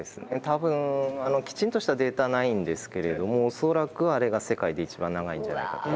多分きちんとしたデータないんですけれども恐らくあれが世界で一番長いんじゃないかと。